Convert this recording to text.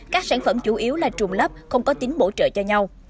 các sản phẩm chủ yếu là trùng lấp không có tính bổ trợ cho nhau